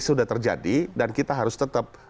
sudah terjadi dan kita harus tetap